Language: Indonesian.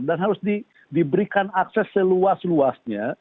dan harus diberikan akses seluas luasnya